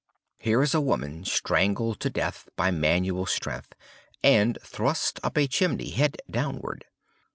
Here is a woman strangled to death by manual strength, and thrust up a chimney, head downward.